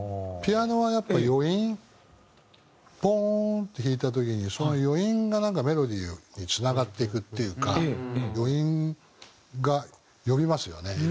ピアノはやっぱ余韻ポーンって弾いた時にその余韻がなんかメロディーにつながっていくっていうか余韻が呼びますよね